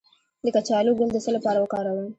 د کچالو ګل د څه لپاره وکاروم؟